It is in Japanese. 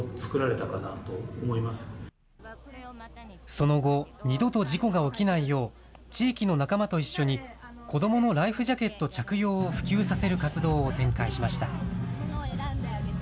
その後、二度と事故が起きないよう、地域の仲間と一緒に、子どものライフジャケット着用を普及させる活動を展開しました。